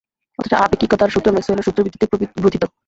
অথচ আপেক্ষিকতার সূত্র ম্যাক্সওয়েলের সূত্রের ভিত্তিতেই গ্রোথিত।